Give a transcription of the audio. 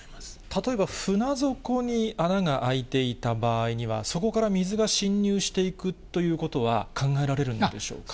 例えば船底に穴が開いていた場合には、そこから水が進入していくということは考えられるんでしょうか。